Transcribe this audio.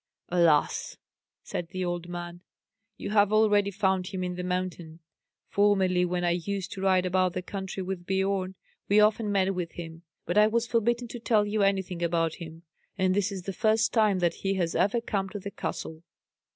"Alas!" said the old man, "you have already found him in the mountain. Formerly, when I used to ride about the country with Biorn, we often met with him, but I was forbidden to tell you anything about him; and this is the first time that he has ever come to the castle."